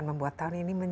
emas juga ya